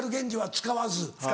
使わず。